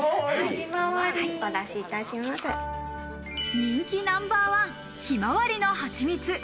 人気ナンバーワン、ひまわりの蜂蜜。